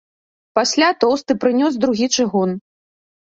Пасля тоўсты прынёс другі чыгун.